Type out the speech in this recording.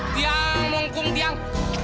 tiang mengkung tiang